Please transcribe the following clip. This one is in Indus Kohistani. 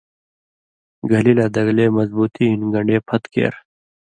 گھلی لا دگلے مضبوطی ہِن گن٘ڈے پھت کېر۔